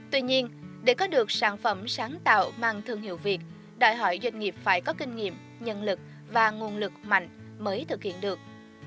tuy nhiên để có được sản phẩm sáng tạo mang thương hiệu việt đòi hỏi doanh nghiệp phải có kinh nghiệm nhân lực và nguồn lực mạnh mới thực hiện được